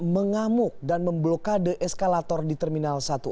mengamuk dan memblokade eskalator di terminal satu